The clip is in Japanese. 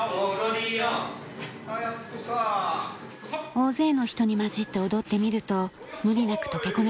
大勢の人に交じって踊ってみると無理なく溶け込めました。